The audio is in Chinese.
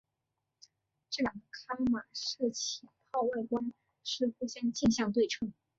这两个伽玛射线泡外观是互相镜像对称。